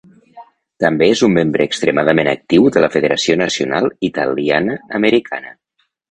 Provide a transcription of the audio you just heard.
També és un membre extremadament actiu de la Federació Nacional Italiana-Americana.